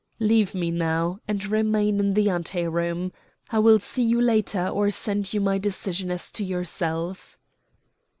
"Leave me now, and remain in the ante room. I will see you later or send you my decision as to yourself."